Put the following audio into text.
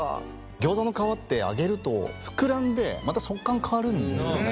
ギョーザの皮って揚げると膨らんでまた食感変わるんですよね。